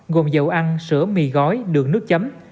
gồm dầu ăn sữa mì gói đường nước chấm